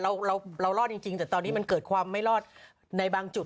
เราเรารอดจริงแต่ตอนนี้มันเกิดความไม่รอดในบางจุด